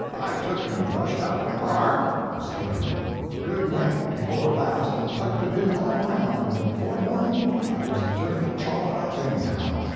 I took and brushed out my bar [mosquito net] good night before last, and tucked it in all around, and before morning I was eternally chawed up, anyhow.